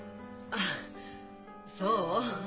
あっそう？